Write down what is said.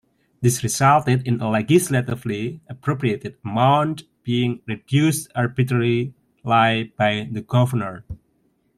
This resulted in a legislatively-appropriated amount being reduced arbitrarily by the governor.